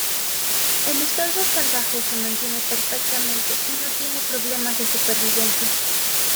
En estado salvaje se mantiene perfectamente y no tiene problemas de supervivencia.